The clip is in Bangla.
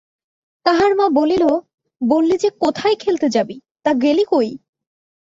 তাহার মা বলিল, বললি যে কোথায় খেলতে যাবি, তা গেলি কই?